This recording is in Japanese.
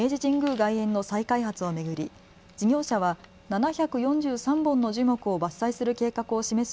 外苑の再開発を巡り事業者は７４３本の樹木を伐採する計画を示す